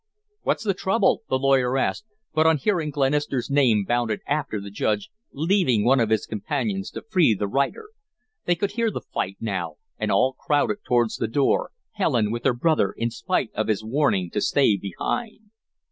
"What's the trouble?" the lawyer asked, but on hearing Glenister's name bounded after the Judge, leaving one of his companions to free the rider. They could hear the fight now, and all crowded towards the door, Helen with her brother, in spite of his warning to stay behind.